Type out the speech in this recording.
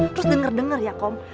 terus denger denger ya kom